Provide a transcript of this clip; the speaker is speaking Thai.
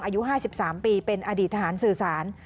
อายุห้าสิบสามปีเป็นอดีตทหารสื่อสาร